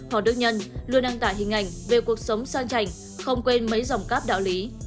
hò đức nhân luôn đăng tải hình ảnh về cuộc sống sang trành không quên mấy dòng cáp đạo lý